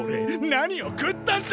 何を食ったんだ！？